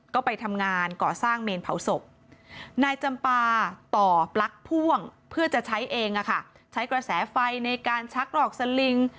ก็ไปทำงานก่อสร้างเมนเผาศพนายจำปาต่อปลั๊กพ่วงเพื่อจะใช้เองใช้กระแสไฟในการชักรอกสลิง